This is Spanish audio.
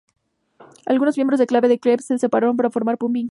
Algunos miembros clave de Crytek se separaron para formar Pumpkin Beach.